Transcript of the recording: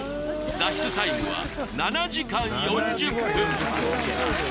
脱出タイムは７時間４０分